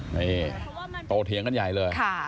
นี่โตเถียงกันใหญ่เลย